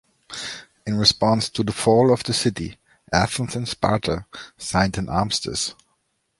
In response to the fall of the city, Athens and Sparta signed an armistice.